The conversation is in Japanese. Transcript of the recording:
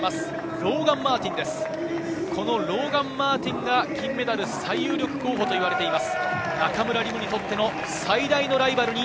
ローガン・マーティンが金メダル最有力候補といわれています。